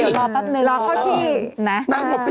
เดี๋ยวรอปั๊บในรอบก่อนนะครับรอเข้าที่